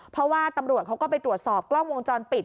เพราะว่าตำรวจเขาก็ไปตรวจสอบกล้องวงจรปิด